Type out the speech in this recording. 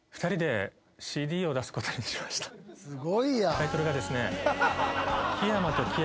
タイトルがですね。